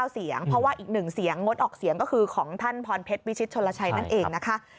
เสียงเพราะว่าอีกหนึ่งเสียงงดออกเสียงก็คือของท่านพรเพชรวิชิตชนลชัยนั่นเองนะคะ